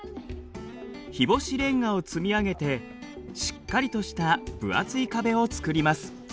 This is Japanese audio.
日干しレンガを積み上げてしっかりとした分厚い壁を作ります。